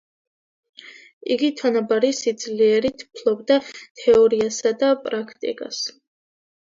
იგი თანაბარი სიძლიერით ფლობდა თეორიასა და პრაქტიკას.